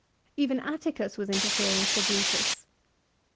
Even Atticus was interfering for Brutus.